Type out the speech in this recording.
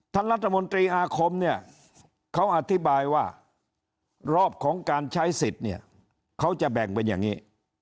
ท่านรัฐมนตรีอาคมเนี่ยเขาอธิบายว่ารอบของการใช้สิทธิ์เนี่ยเขาจะแบ่งเป็นอย่างนี้